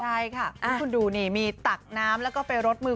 ใช่ค่ะนี่คุณดูนี่มีตักน้ำแล้วก็ไปรดมือ